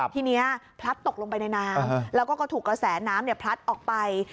ทีนี้พลัดตกลงไปในน้ำแล้วก็ก็ถูกกระแสน้ำพลัดออกไป